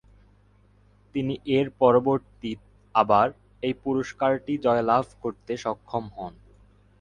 তিনি এর পরবর্তী আবার এই পুরস্কারটি জয়লাভ করতে সক্ষম হন।